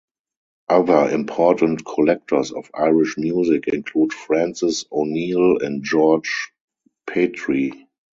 Other important collectors of Irish music include Francis O'Neill and George Petrie.